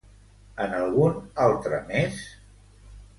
En algun altre més?